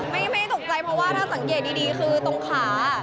ไม่ตกใจเพราะว่าถ้าสังเกตดีคือตรงขา